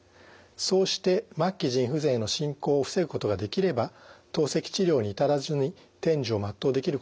そうして末期腎不全への進行を防ぐことができれば透析治療に至らずに天寿を全うできることが期待できます。